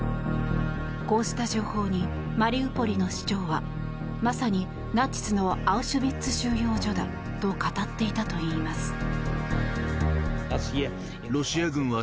こうした情報にマリウポリの市長はまさにナチスのアウシュビッツ収容所だと語っていたといいます。